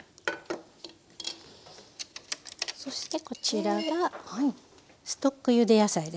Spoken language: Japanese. そしてこちらがストックゆで野菜ですね。